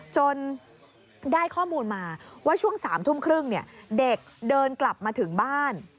จนได้ข้อมูลมาว่าช่วง๓ทุ่มครึ่งเด็กเดินกลับมาถึงบ้าน